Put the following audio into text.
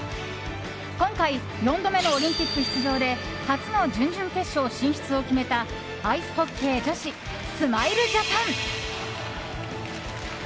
今回４度目のオリンピック出場で初の準々決勝進出を決めたアイスホッケー女子スマイルジャパン。